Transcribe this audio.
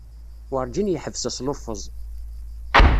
Werǧin yeḥbes asluffeẓ.